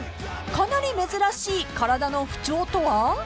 ［かなり珍しい体の不調とは？］